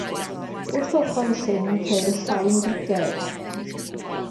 Wrth ochr y llyn ceir y llain griced.